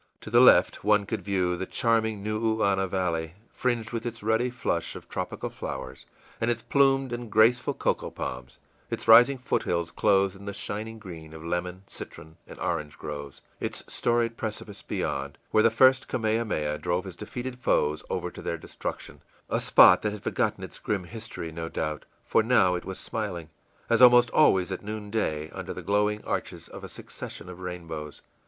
To the left one could view the charming Nuuana Valley, fringed with its ruddy flush of tropical flowers and its plumed and graceful cocoa palms; its rising foothills clothed in the shining green of lemon, citron, and orange groves; its storied precipice beyond, where the first Kamehameha drove his defeated foes over to their destruction, a spot that had forgotten its grim history, no doubt, for now it was smiling, as almost always at noonday, under the glowing arches of a succession of rainbows.